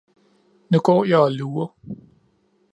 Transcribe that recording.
Nu går jeg og lurer